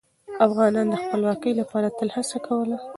افغانان د خپلواکۍ لپاره تل هڅه کوله.